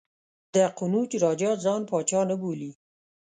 د قنوج راجا ځان پاچا نه بولي.